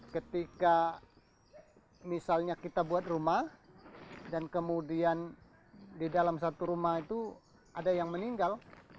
ketika misalnya kita buat rumah dan kemudian di dalam satu rumah itu ada yang meninggal